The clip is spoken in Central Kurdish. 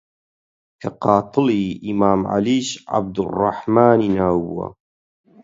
کە قاتڵی ئیمام عەلیش عەبدوڕڕەحمانی ناو بووە